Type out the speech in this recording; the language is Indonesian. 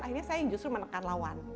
akhirnya saya justru menekan lawan